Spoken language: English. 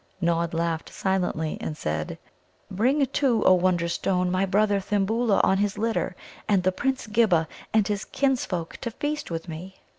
Nod laughed silently, and said: "Bring, too, O Wonderstone, my brother Thimbulla on his litter, and the Prince Ghibba and his kinsfolk to feast with me."